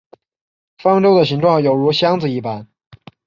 方舟的形状有如箱子一般。